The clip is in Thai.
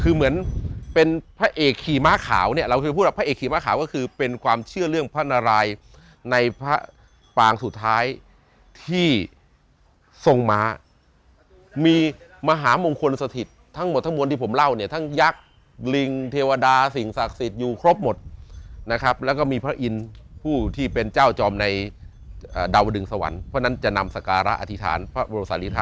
คือเหมือนเป็นพระเอกขี่ม้าขาวเนี่ยเราคือผู้รับพระเอกขี่ม้าขาวก็คือเป็นความเชื่อเรื่องพระนารายในพระปางสุดท้ายที่ทรงม้ามีมหามงคลสถิตทั้งหมดทั้งมวลที่ผมเล่าเนี่ยทั้งยักษ์ลิงเทวดาสิ่งศักดิ์สิทธิ์อยู่ครบหมดนะครับแล้วก็มีพระอินทร์ผู้ที่เป็นเจ้าจอมในดาวดึงสวรรค์เพราะฉะนั้นจะนำสการะอธิษฐานพระบรมศาลีทะ